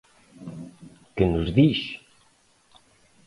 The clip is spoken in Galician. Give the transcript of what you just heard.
Que nos diz?